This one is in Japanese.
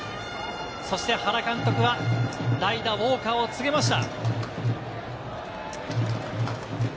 そして原監督は代打、ウォーカーを告げました。